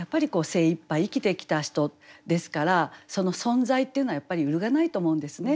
精いっぱい生きてきた人ですからその存在っていうのはやっぱり揺るがないと思うんですね。